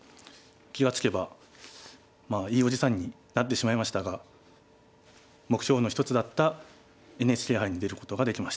気が付けばまあいいおじさんになってしまいましたが目標の一つだったＮＨＫ杯に出ることができました。